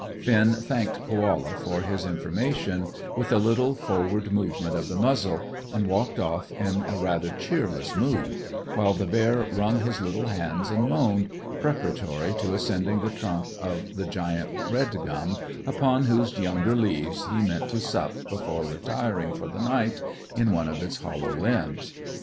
Finn thanked Koala for his information, with a little forward movement of the muzzle, and walked off in a rather cheerless mood, while the bear wrung his little hands and moaned, preparatory to ascending the trunk of the giant red gum upon whose younger leaves he meant to sup before retiring for the night in one of its hollow limbs.